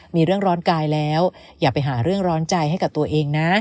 มีเรื่องร้อนกายแล้วอย่าไปหาเรื่องร้อนใจให้กับตัวเองนะ